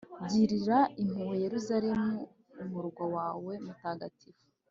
girira impuhwe yeruzalemu, umurwa wawe mutagatifu